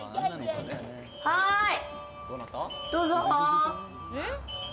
はい、どうぞ。